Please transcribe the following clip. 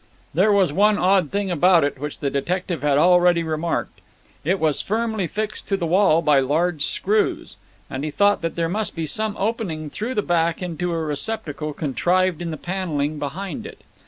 There was one odd thing about it, which the detective had already remarked: it was firmly fixed to the wall by large screws, and he thought that there must be some opening through the back into a receptacle contrived in the panelling behind it.